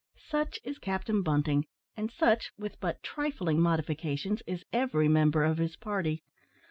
Such is Captain Bunting, and such, with but trifling modifications, is every member of his party.